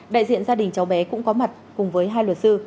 đại diện gia đình cháu bé cũng có mặt cùng với hai luật sư